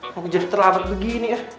mau jadi terlambat begini ya